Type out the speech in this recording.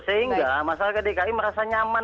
sehingga masyarakat dki merasa nyaman